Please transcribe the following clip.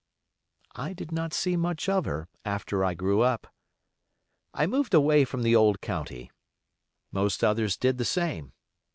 I did not see much of her after I grew up. I moved away from the old county. Most others did the same.